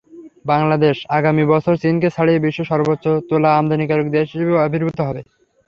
বাংলাদেশ আগামী বছর চীনকে ছাড়িয়ে বিশ্বের সর্বোচ্চ তুলা আমদানিকারক দেশ হিসেবে আবির্ভূত হবে।